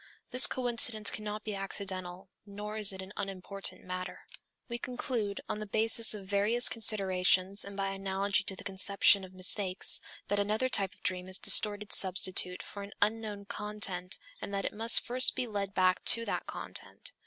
This coincidence cannot be accidental, nor is it an unimportant matter. We conclude, on the basis of various considerations and by analogy to the conception of mistakes, that another type of dream is a distorted substitute for an unknown content and that it must first be led back to that content.